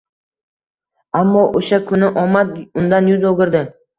Ammo o‘sha kuni omad undan yuz o‘girdi